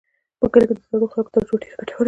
په کلي کې د زړو خلکو تجربه ډېره ګټوره ده.